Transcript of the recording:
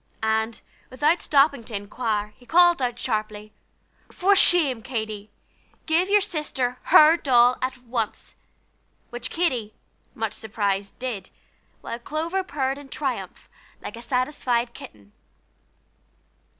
and, without stopping to inquire, he called out sharply: "For shame, Katy! give your sister her doll at once!" which Katy, much surprised, did; while Clover purred in triumph, like a satisfied kitten.